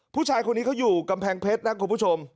ผู้ชายคนนี้เขาอยู่กำแพงเพชรนะคุณผู้ชม